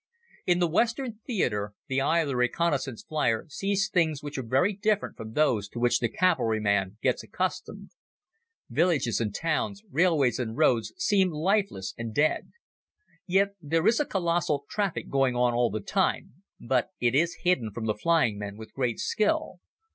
In the Western theater the eye of the reconnaissance flier sees things which are very different from those to which the cavalrymen get accustomed. Villages and towns, railways and roads seem lifeless and dead. Yet there is a colossal traffic going on all the time, but it is hidden from the flying men with great skill.